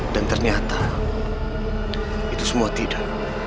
dan ternyata itu semua tidak